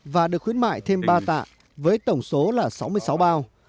và được khuyến mại thêm ba tạ với tổng số là sáu mươi sáu bao